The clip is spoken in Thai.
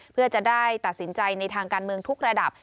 เพื่อจะได้ตัดสินใจในทางการเมืองทุกระดับ